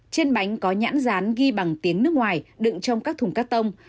trên bánh có nhãn rán ghi bằng tiếng nước ngoài đựng trong các thùng cắt tông